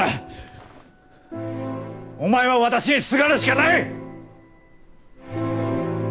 お前は私にすがるしかない！